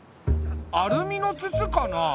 アルミの筒かな？